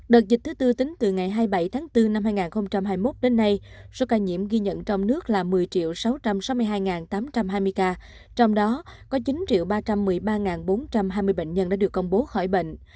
đợt dịch thứ tư tính từ ngày hai mươi bảy tháng bốn năm hai nghìn hai mươi một đến nay số ca nhiễm ghi nhận trong nước là một mươi sáu trăm sáu mươi hai tám trăm hai mươi ca trong đó có chín ba trăm một mươi ba bốn trăm hai mươi bệnh nhân đã được công bố khỏi bệnh